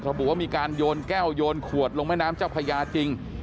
ระบุว่ามีการโยนแก้วโยนขวดลงแม่น้ำเจ้าพญาจริง